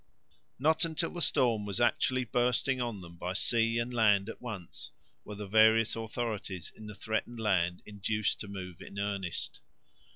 Not until the storm was actually bursting on them by sea and land at once were the various authorities in the threatened land induced to move in earnest.